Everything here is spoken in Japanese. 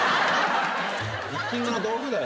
ピッキングの道具だよ。